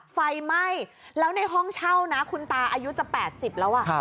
ไฟไหม้แล้วในห้องเช่านะคุณตาอายุจะ๘๐แล้ว